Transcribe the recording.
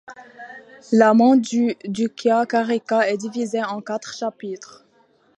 La Māṇḍūkya Kārikā est divisée en quatre chapitres.